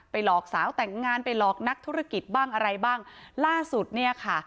หลอกสาวแต่งงานไปหลอกนักธุรกิจบ้างอะไรบ้างล่าสุดเนี่ยค่ะ